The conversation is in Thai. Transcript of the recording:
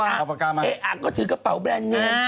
เอ๊ะอั๊กก็ชื่อกระเป๋าแบรนด์เนี่ย